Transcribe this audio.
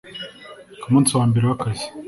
Ku munsi we wa mbere w’akazi